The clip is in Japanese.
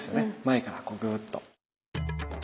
前からこうグーッと。